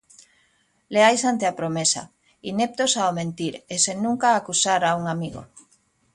Leais ante a promesa, ineptos ao mentir e sen nunca acusar a un amigo.